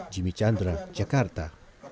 jimmy chandra jakarta